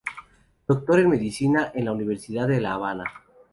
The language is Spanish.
Doctor en Medicina de la Universidad de la Habana.